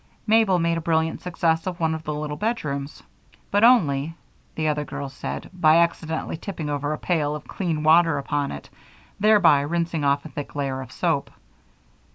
Mabel made a brilliant success of one of the little bedrooms, but only, the other girls said, by accidentally tipping over a pail of clean water upon it, thereby rinsing off a thick layer of soap.